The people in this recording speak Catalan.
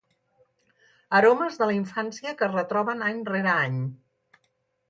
Aromes de la infància que es retroben any rere any.